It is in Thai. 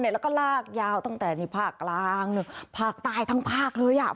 แล้วก็ลากยาวตั้งแต่ในภาคกลางภาคใต้ทั้งภาคเลยอ่ะ